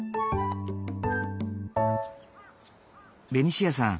ベニシアさん